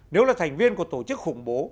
nếu là thành viên của tổ chức khủng bố